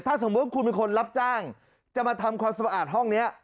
ถ้าสมมุติคุณเป็นคนรับจ้างจะมาทำความสะอาดห้องนี้